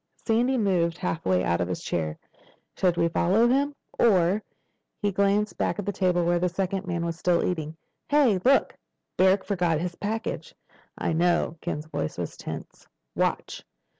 Sandy moved halfway out of his chair. "Should we follow him? Or—" He glanced back at the table where the second man was still eating. "Hey—look! Barrack forgot his package." "I know." Ken's voice was tense. "Watch."